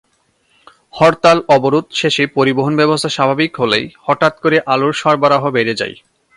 হরতাল-অবরোধ শেষে পরিবহনব্যবস্থা স্বাভাবিক হলে হঠাৎ করে আলুর সরবরাহ বেড়ে যায়।